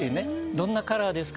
どんなカラーですか？